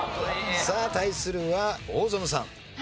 さあ対するは大園さん。